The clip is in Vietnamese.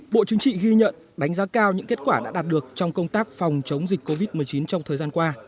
bộ chính trị ghi nhận đánh giá cao những kết quả đã đạt được trong công tác phòng chống dịch covid một mươi chín trong thời gian qua